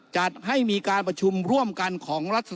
จัดให้มีการประชุมร่วมกันของ